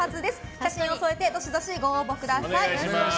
写真を添えてどしどしご応募ください。